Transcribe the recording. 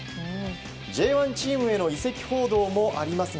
Ｊ１チームへの移籍報道もありますが。